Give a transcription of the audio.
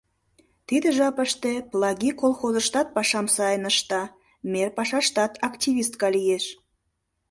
Тиде жапыште Плагий колхозыштат пашам сайын ышта, мер пашаштат активистка лиеш.